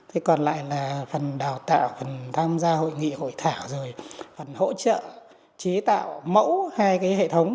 học tạo phần tham gia hội nghị hội thảo rồi phần hỗ trợ chế tạo mẫu hai cái hệ thống